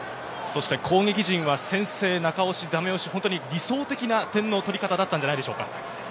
攻撃陣は先制、中押し、ダメ押し、理想的な点の取り方だったのではないでしょうか？